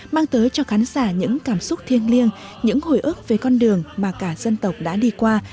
mang tới cho khán giả những cảm xúc thiêng liêng những hồi ước về con đường mà cả dân tộc đã đi qua